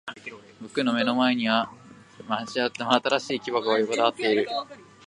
僕の目の前には真新しい木箱が横たわっている。